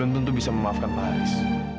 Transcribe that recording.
tentu bisa memaafkan pak haris